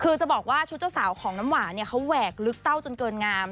คือจะบอกว่าชุดเจ้าสาวของน้ำหวานเนี่ยเขาแหวกลึกเต้าจนเกินงาม